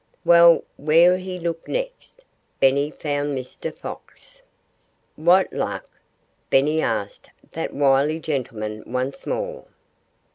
Well, where he looked next, Benny found Mr. Fox. "What luck?" Benny asked that wily gentleman once more.